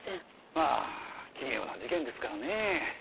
まあ奇妙な事件ですからね。